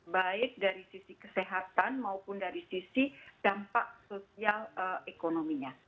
baik dari sisi kesehatan maupun dari sisi dampak sosial ekonominya